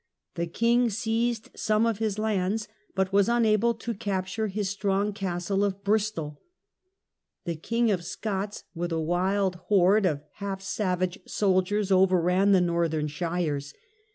The king seized some of his lands, but was unable to capture his strong castle of /Bristol. The King of Scots, with a wild horde of half savage soldiers, overran the northern shires.